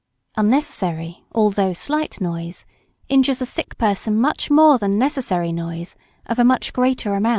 Unnecessary (although slight) noise injures a sick person much more than necessary noise (of a much greater amount).